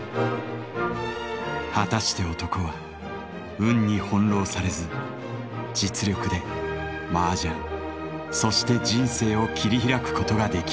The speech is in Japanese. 果たして男は「運」に翻弄されず実力で麻雀そして人生を切り開くことができるのか？